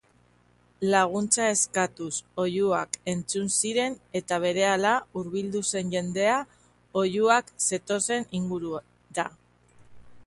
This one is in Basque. Laguntza eskatuz oihuak entzun ziren eta berehala hurbildu zen jendea oihuak zetozen ingurura.